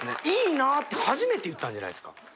「いいなぁ」って初めて言ったんじゃないですか？